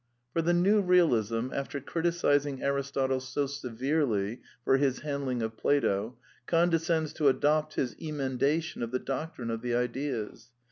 For the New Eealism, after criticising Aristotle so severely for his handling of Plato, condescends to adopt his emendation of the doctrine of the Ideas.